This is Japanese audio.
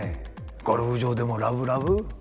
ゴルフ場でもラブラブ？